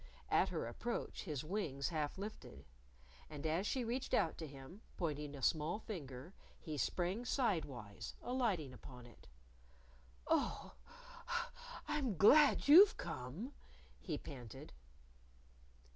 At her approach, his wings half lifted. And as she reached out to him, pointing a small finger, he sprang sidewise, alighting upon it. "Oh, I'm glad you've come!" he panted.